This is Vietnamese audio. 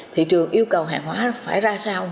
thị trường yêu cầu hàng hóa phải ra sao